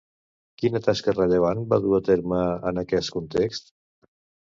Quina tasca rellevant va dur a terme en aquest context?